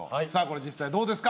実際どうですか。